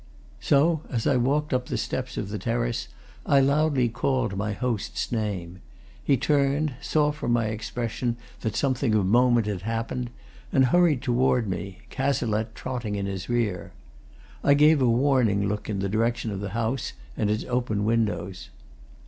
So, as I walked up the steps of the terrace, I loudly called my host's name. He turned, saw from my expression that something of moment had happened, and hurried toward me, Cazalette trotting in his rear. I gave a warning look in in the direction of the house and its open windows.